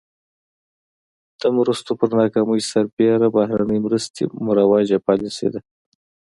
د مرستو پر ناکامۍ سربېره بهرنۍ مرستې مروجه پالیسي ده.